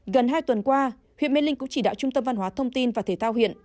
gần hai tuần qua huyện mê linh cũng chỉ đạo trung tâm văn hóa thông tin và thể thao huyện